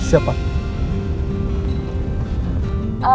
ya dah dah